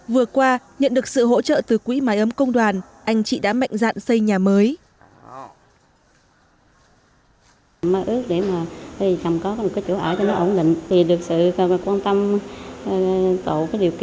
vừa qua nhận được sự hỗ trợ từ quỹ máy ấm công đoàn anh chị đã mạnh dạn xây nhà mới